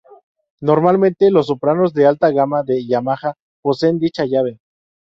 Normalmente, los sopranos de alta gama de Yamaha poseen dicha llave.